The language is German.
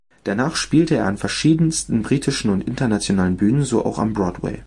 Danach spielte er an verschiedensten britischen und internationalen Bühnen, so auch am Broadway.